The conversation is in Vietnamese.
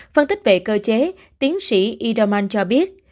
phân tích về cơ chế tiến sĩ idaman cho biết